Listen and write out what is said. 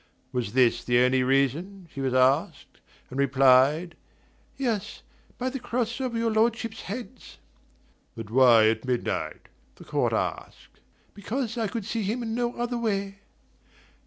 Was this the only reason? she was asked; and replied: "Yes, by the Cross over your Lordships' heads." "But why at midnight?" the court asked. "Because I could see him in no other way."